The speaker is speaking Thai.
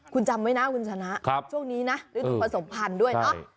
คุณจำไว้นะคุณชนะช่วงนี้นะฤดูผสมพันธุ์ด้วยเนาะ